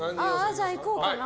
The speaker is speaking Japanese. じゃあ、いこうかな。